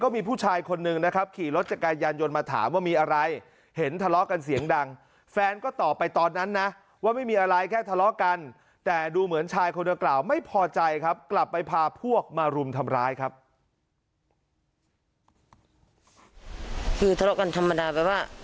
ก็มีผู้ชายคนนึงนะครับขี่รถจากการยานยนต์มาถามว่ามีอะไรเห็นทะเลากันเสียงดังแฟนก็ตอบไปตอนนั้นนะว่าไม่มีอะไรแค่ทะเลากันแต่ดูเหมือนชายคนเกลาไม่พอใจครับกลับไปพาพวกมารุมทำร้ายครับ